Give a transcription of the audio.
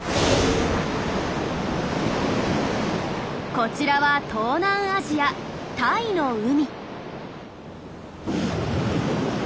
こちらは東南アジアタイの海。